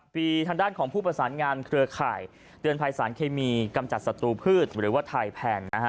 ปีทางด้านของผู้ประสานงานเครือข่ายเตือนภัยสารเคมีกำจัดศัตรูพืชหรือว่าไทยแพนนะฮะ